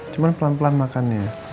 cuman pelan pelan makan ya